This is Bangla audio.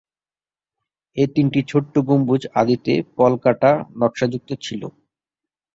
এ তিনটি ছোট গম্বুজ আদিতে পলকাটা নকশাযুক্ত ছিল।